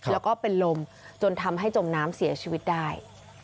แล้วก็เป็นลมจนทำให้จมน้ำเสียชีวิตได้